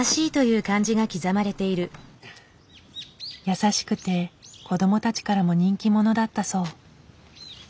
優しくて子供たちからも人気者だったそう。